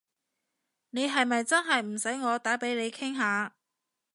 你係咪真係唔使我打畀你傾下？